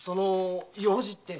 用事って？